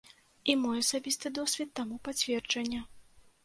І мой асабісты досвед таму пацверджанне.